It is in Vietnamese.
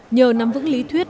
nhờ nắm vững lý thuyết